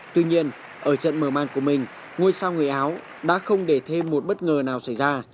tuy nhiên ở trận mở màn của mình ngôi sao người áo đã không để thêm một bất ngờ nào xảy ra